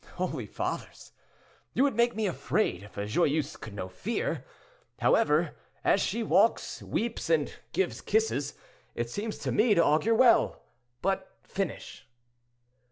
"Holy Fathers! you would make me afraid, if a Joyeuse could know fear. However, as she walks, weeps, and gives kisses, it seems to me to augur well. But finish."